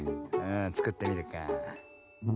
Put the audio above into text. つくってみるか。